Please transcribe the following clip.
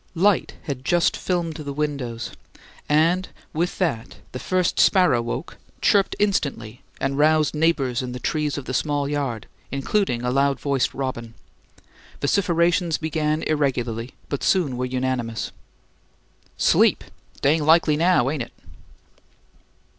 Light had just filmed the windows; and with that the first sparrow woke, chirped instantly, and roused neighbours in the trees of the small yard, including a loud voiced robin. Vociferations began irregularly, but were soon unanimous. "Sleep? Dang likely now, ain't it!"